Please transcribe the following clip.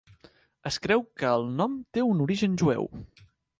Es creu que el nom té un origen jueu.